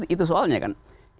itu soalnya kan